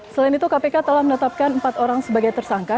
selain itu kpk telah menetapkan empat orang sebagai tersangka